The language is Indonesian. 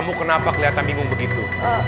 kamu kenapa kelihatan bingung begitu